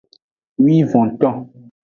Wivonton.